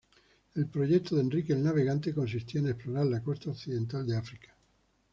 El proyecto de Enrique el Navegante consistía en explorar la costa occidental de África.